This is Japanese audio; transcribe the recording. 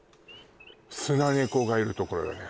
スナネコがいるところよね